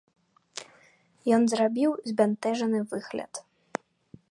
Ён зрабіў збянтэжаны выгляд.